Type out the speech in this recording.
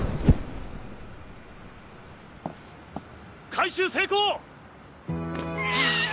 回収成功！